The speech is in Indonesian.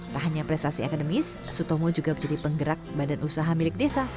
tak hanya prestasi akademis sutomo juga menjadi penggerak badan usaha milik desa